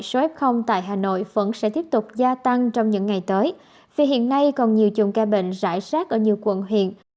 số f tại hà nội vẫn sẽ tiếp tục gia tăng trong những ngày tới vì hiện nay còn nhiều chùm ca bệnh rải rác ở nhiều quận huyện